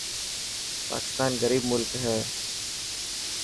پاڪستان غريب ملڪ هي.